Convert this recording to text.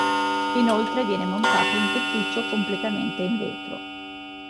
Inoltre viene montato un tettuccio completamente in vetro.